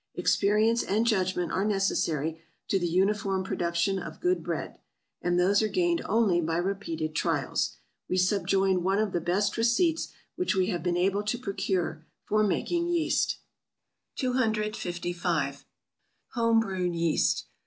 Experience and judgment are necessary to the uniform production of good bread; and those are gained only by repeated trials. We subjoin one of the best receipts which we have been able to procure, for making yeast. 255. =Homebrewed Yeast.